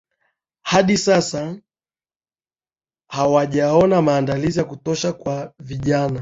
Hadi sasa hawajaona maandalizi ya kutosha kwa vinaja